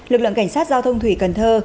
lực lượng cảnh sát giao thông thủy cần thơ